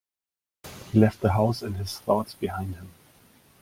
He left the house and his thoughts behind him.